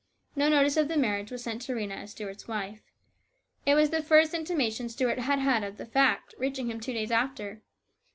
No notice of the marriage was sent to Rhena as Stuart's wife. It was the first intimation Stuart had had of the fact, the card reaching him two days after.